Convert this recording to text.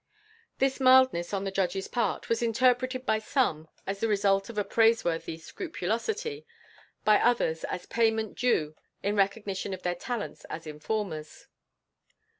This mildness on the judge's part was interpreted by some as the result of a praiseworthy scrupulosity, by others as payment due in recognition of their talents as informers.